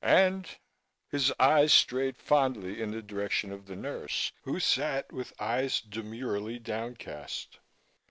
And " His eyes strayed fondly in the direction of the nurse who sat with eyes demurely downcast.